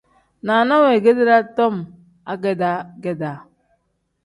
Naana weegedi daa tom agedaa-gedaa.